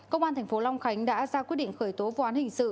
công an tp long khánh đã ra quyết định khởi tố võ án hình sự